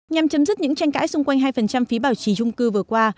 nhằm chấm dứt những tranh cãi xung quanh hai phí bảo trì trung cư vừa qua